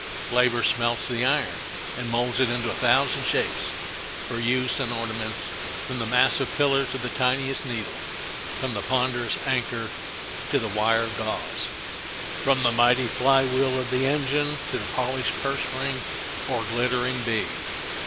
Labor smelts the iron, and molds it into a thousand shapes for use and ornaments, from the massive pillar to the tiniest needle, from the ponderous anchor to the wire gauze, from the mighty flywheel of the engine to the polished purse ring or glittering bead.